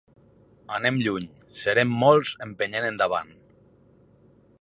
Anem lluny, serem molts empenyent endavant.